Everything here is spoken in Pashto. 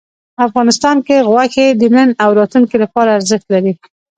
افغانستان کې غوښې د نن او راتلونکي لپاره ارزښت لري.